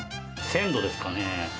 鮮度ですかね。